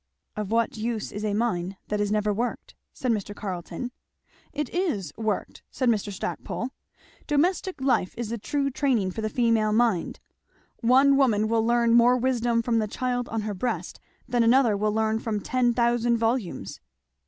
"Of what use is a mine that is never worked?" said Mr. Carleton. "It is worked," said Mr. Stackpole. "Domestic life is the true training for the female mind. One woman will learn more wisdom from the child on her breast than another will learn from ten thousand volumes."